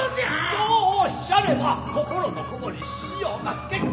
そうおっしゃれば心のこもりし子葉が付句。